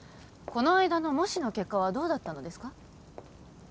この間の模試の結果はどうだったのですか？